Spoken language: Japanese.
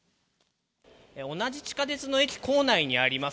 同じ地下鉄の駅構内にあります